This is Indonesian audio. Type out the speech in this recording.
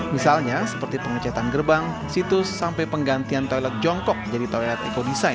misalnya seperti pengecetan gerbang situs sampai penggantian toilet jongkok jadi toilet ekodesign